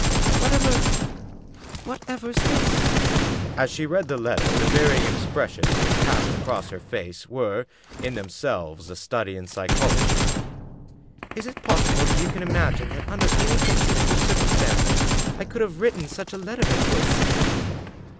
" Whatever — ^whatever'st this ?" As she 294 The Lost Duchess read the letter the varying expressions which passed across her face were, in themselves, a study in psychology. " Is it possible that you can imagine that, under any conceiv able circumstances, I could have written such a letter as this?"